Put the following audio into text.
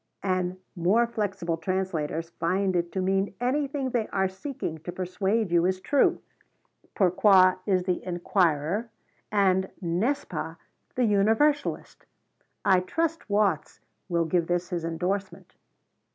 and more flexible translators find it to mean anything they are seeking to persuade you is true. Pourquoi is the inquirer and N'est ce pas the universalist. I trust Watts will give this his endorsement."